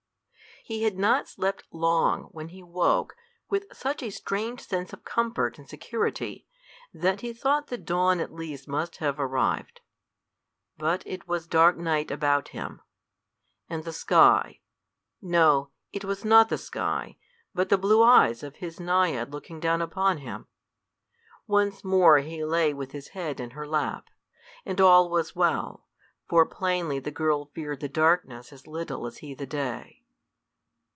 He had not slept long when he woke with such a strange sense of comfort and security that he thought the dawn at least must have arrived. But it was dark night about him. And the sky no, it was not the sky, but the blue eyes of his naiad looking down upon him! Once more he lay with his head in her lap, and all was well, for plainly the girl feared the darkness as little as he the day.